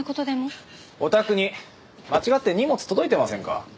お宅に間違って荷物届いてませんか？